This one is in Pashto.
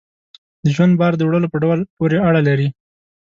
د ژوند بار د وړلو په ډول پورې اړه لري.